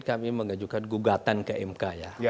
kami mengajukan gugatan ke mk ya